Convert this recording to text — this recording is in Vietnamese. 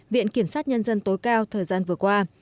viện kiểm sát nhân dân tối cao thời gian vừa qua